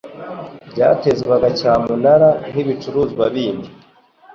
batezwaga cyamunara nkibicuruzwa bindi